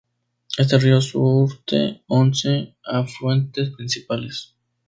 Este río surte once afluentes principales.